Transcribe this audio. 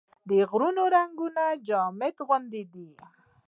غرونه د رنګونو جامه اغوندي